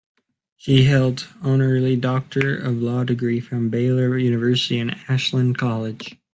She held honorary doctor of law degrees from Baylor University and Ashland College.